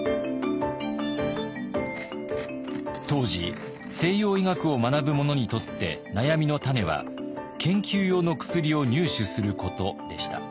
当時西洋医学を学ぶ者にとって悩みの種は研究用の薬を入手することでした。